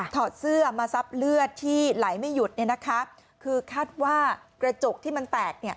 ถอดเสื้อมาซับเลือดที่ไหลไม่หยุดคือคาดว่ากระจกที่มันแตก